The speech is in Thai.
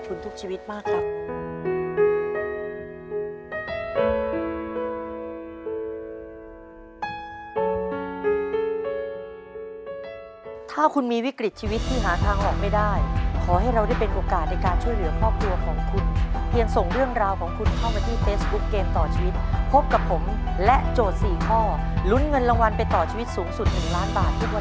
ฝากไว้ด้วยนะครับขอบคุณมากขอบคุณทุกชีวิตมากครับ